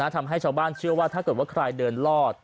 ทำให้ชาวบ้านเชื่อว่าถ้าเกิดว่าใครเดินรอด